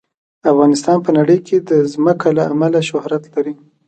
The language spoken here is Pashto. افغانستان په نړۍ کې د ځمکه له امله شهرت لري.